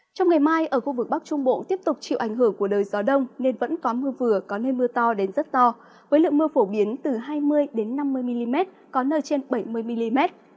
trong ngày mai ở khu vực bắc trung bộ tiếp tục chịu ảnh hưởng của đời gió đông nên vẫn có mưa vừa có nơi mưa to đến rất to với lượng mưa phổ biến từ hai mươi năm mươi mm có nơi trên bảy mươi mm